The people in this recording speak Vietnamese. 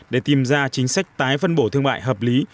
để tìm ra chính sách tái phân bổ thương mại hợp lý